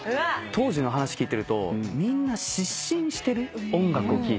当時の話聞いてるとみんな失神してる音楽を聴いてる。